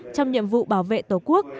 trong nhiệm vụ bảo vệ tổ quốc